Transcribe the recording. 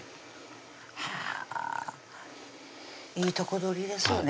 はぁいいとこ取りですよね